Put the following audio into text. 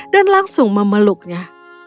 dan langsung memeluknya